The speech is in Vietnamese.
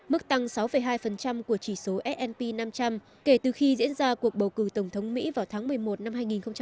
mức tăng sáu hai của chỉ số s p năm trăm linh kể từ khi diễn ra cuộc bầu cử tổng thống mỹ vào tháng một mươi một năm hai nghìn một mươi sáu